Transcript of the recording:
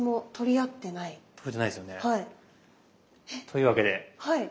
というわけで。